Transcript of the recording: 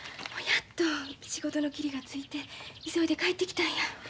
やっと仕事の切りがついて急いで帰ってきたんや。